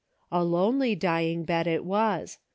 A lonely dying bed it was.